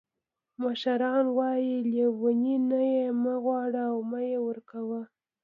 مشران وایي: لیوني نه یې مه غواړه او مه یې ورکوه.